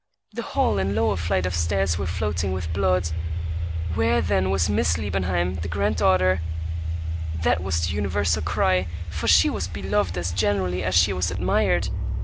The hall and lower flight of stairs were floating with blood. Where, then, was Miss Liebenheim, the granddaughter? That was the universal cry; for she was beloved as generally as she was admired.